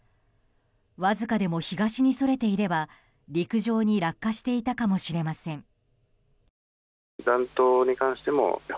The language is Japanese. わずかでも東にそれていれば陸上に落下していたかもしれません。